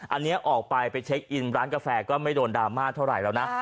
อันนี้ออกไปไปเช็คอินร้านกาแฟก็ไม่โดนดราม่าเท่าไหร่แล้วนะ